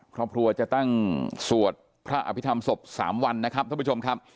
ครอบครัวจะตั้งสวดพระอภิษฐรรมศพ๓วันนะครับท่านผู้ชมครับ